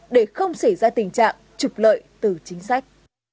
để không xảy ra tình trạng trục lợi từ chính sách